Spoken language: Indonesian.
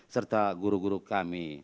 serta guru guru kami